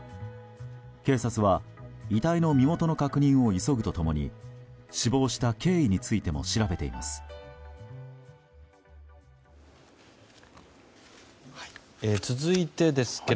警察は、遺体の身元の確認を急ぐと共に死亡した経緯についても調べています。